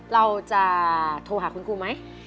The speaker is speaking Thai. เราจะโทรหาคุณครูไหม